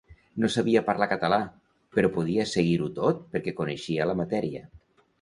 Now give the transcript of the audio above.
No sabia parlar català, però podia seguir-ho tot perquè coneixia la matèria.